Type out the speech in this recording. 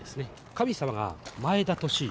神様が前田利家。